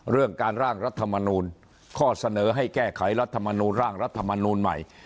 เรื่องการร่างรัฐมนูลข้อเสนอให้แก้ไขรัฐมนูลร่างรัฐมนูลใหม่